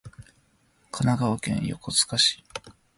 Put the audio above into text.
神奈川県横須賀市